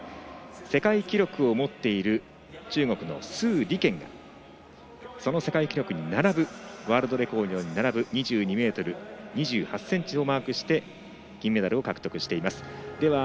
世界記録を持っている中国の鄒莉娟がその世界記録に並ぶ２２ｍ２８ｃｍをマークして金メダルを獲得しています。